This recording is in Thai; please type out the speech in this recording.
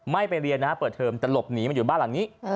ไม่ไปเรียนนะฮะเปิดเทอมแต่หลบหนีมาอยู่บ้านหลังนี้